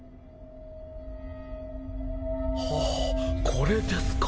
これですか？